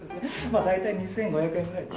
まあ大体２５００円ぐらい。